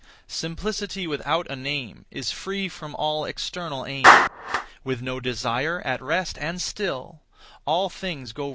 Simplicity without a name Is free from all external aim. With no desire, at rest and still, All things go right as of their will.